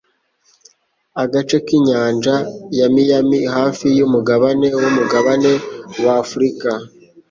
Agace k'inyanja ya Miami, hafi y'umugabane w'umugabane wa Afurika,